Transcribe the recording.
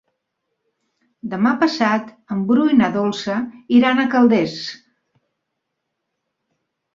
Demà passat en Bru i na Dolça iran a Calders.